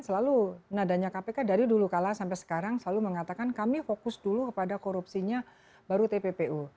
selalu nadanya kpk dari dulu kalah sampai sekarang selalu mengatakan kami fokus dulu kepada korupsinya baru tppu